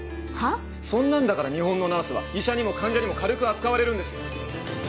そんなんだから日本のナースは医者にも患者にも軽く扱われるんですよ！